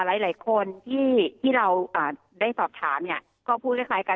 หลายหลายคนที่ที่เราอ่าได้ตอบถามเนี่ยก็พูดคล้ายคล้ายกัน